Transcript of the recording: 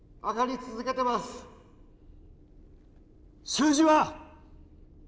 数字は？